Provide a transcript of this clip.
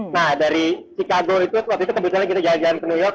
nah dari chicago itu waktu itu kebetulan kita jalan jalan ke new york